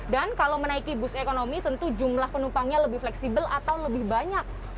dan kalau menaiki bus ekonomi tentu jumlah penumpangnya lebih fleksibel atau lebih banyak